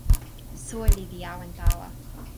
soweli li awen tawa.